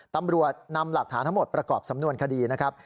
ตำรวจนำหลักฐานทั้งหมดประกอบสำนวนคดีนะครับ